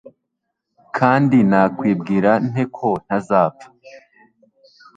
Kandi nakwibwira nte ko ntazapfa?